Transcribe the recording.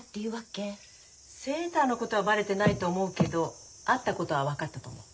セーターのことはバレてないと思うけど会ったことは分かったと思う。